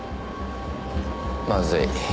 まずい。